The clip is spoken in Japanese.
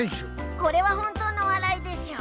これは本当の笑いでしょう。